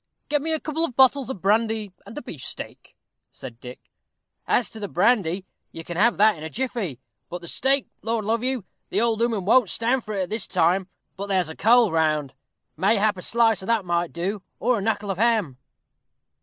"Get me a couple of bottles of brandy and a beefsteak," said Dick. "As to the brandy, you can have that in a jiffy but the steak, Lord love you, the old ooman won't stand it at this time; but there's a cold round, mayhap a slice of that might do or a knuckle of ham?"